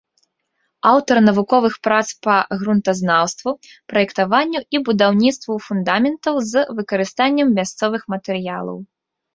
Аўтар навуковых прац па грунтазнаўству, праектаванню і будаўніцтву фундаментаў з выкарыстаннем мясцовых матэрыялаў.